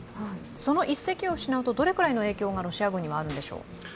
その１隻を失うと、どのくらいの影響がロシア軍にあるんでしょう？